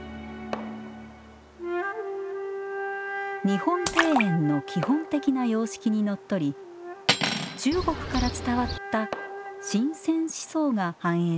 日本庭園の基本的な様式にのっとり中国から伝わった神仙思想が反映されています